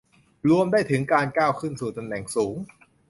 รวมได้ถึงการก้าวขึ้นสู่ตำแหน่งสูง